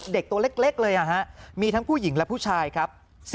ตัวเล็กเลยมีทั้งผู้หญิงและผู้ชายครับ